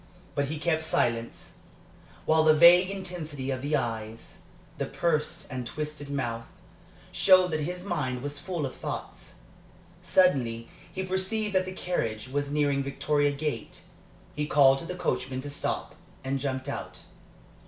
But he kept silence, while the vague intensity of the eyes, the pursed and twisted mouth, showed that his mind was full of thoughts. Suddenly he perceived that the carriage was nearing Victoria Gate. He called to the coachman to stop, and jumped out.